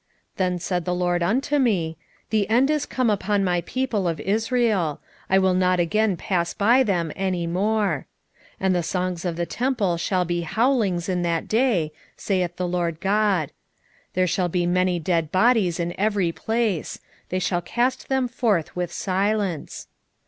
Then said the LORD unto me, The end is come upon my people of Israel; I will not again pass by them any more. 8:3 And the songs of the temple shall be howlings in that day, saith the Lord GOD: there shall be many dead bodies in every place; they shall cast them forth with silence.